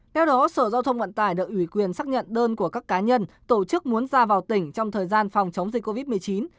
theo đó sở giao thông vận tải được ủy quyền xác nhận đơn của các cá nhân tổ chức muốn ra vào tỉnh trong thời gian phòng chống dịch covid một mươi chín